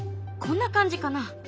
こんな感じかな？